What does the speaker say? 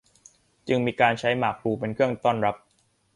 จึงมีการใช้หมากพลูเป็นเครื่องต้อนรับ